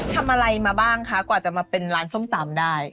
ทำอะไรมาบ้างคะกว่าจะมาเป็นร้านส้มตำได้